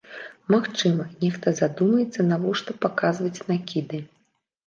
Магчыма, нехта задумаецца, навошта паказваць накіды.